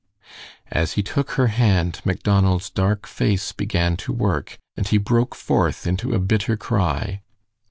As he took her hand, Macdonald's dark face began to work, and he broke forth into a bitter cry.